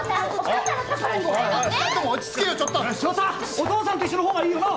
お父さんと一緒のほうがいいよな？